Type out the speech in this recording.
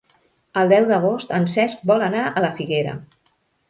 El deu d'agost en Cesc vol anar a la Figuera.